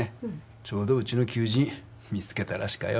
ちょうどうちの求人見つけたらしかよ